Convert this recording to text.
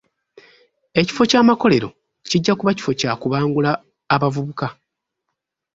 Ekifo ky'amakolero kijja kuba kifo kya kubangula abavubuka .